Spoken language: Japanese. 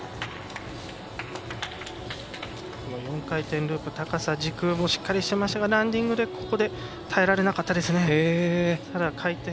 ４回転ループ高さ、軸しっかりしてましたがランディングで耐えられなかったですね。